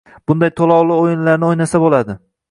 bunday to‘lovli o‘yinlarni o‘ynasa bo‘ladi.